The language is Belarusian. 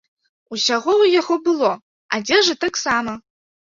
Усяго ў яго было, адзежа таксама!